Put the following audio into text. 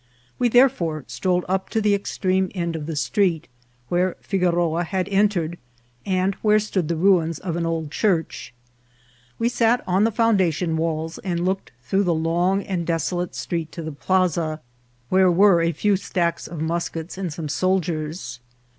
We therefore strolled up to the extreme end of the street, where Figoroa had en tered, and where stood the ruins of an old church. We sat on the foundation walls and looked through the long and desolate street to the plaza, where were a few stacks of muskets and some soldiers.